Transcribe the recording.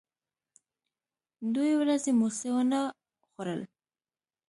دوې ورځې مو څه و نه خوړل.